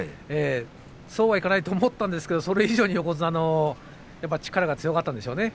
そうはいかないと思ったんですがそれ以上に横綱の力が強かったんですね。